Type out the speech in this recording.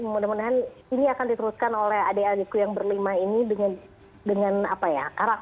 mudah mudahan ini akan diteruskan oleh adik adikku yang berlima ini dengan karakter yang mereka bawa bikin industri yang baru gitu